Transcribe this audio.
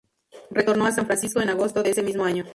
Retornó a San Francisco en agosto de ese mismo año.